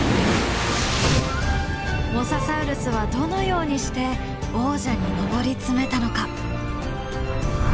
モササウルスはどのようにして王者に上り詰めたのか。